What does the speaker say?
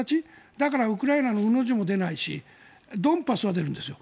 だから、ウクライナのうの字も出ないしドンバスは出るんですよ。